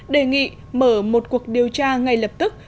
đề nghị mở một cuộc điều tra ngay lập tức